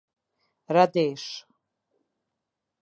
Radeshë